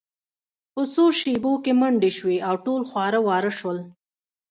په څو شیبو کې منډې شوې او ټول خواره واره شول